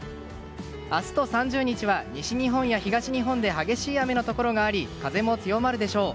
明日３０日は西日本や東日本で激しい雨のところがあり風も強まるでしょう。